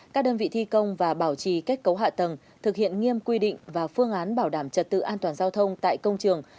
các đơn vị thi công và bảo trì kết cấu hạ tầng thực hiện nghiêm quy định và phương án bảo đảm trật tự an toàn giao thông tại công trường